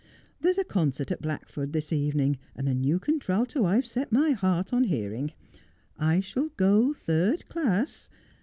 There's a concert at Blackford this evening, and a new contralto I've set my heart on hearing. I shall go third class.